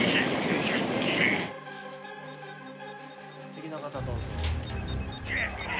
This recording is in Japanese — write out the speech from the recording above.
次の方どうぞ。